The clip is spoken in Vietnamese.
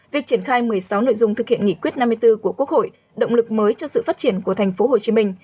việc triển khai một mươi sáu nội dung thực hiện nghị quyết năm mươi bốn của quốc hội động lực mới cho sự phát triển của tp hcm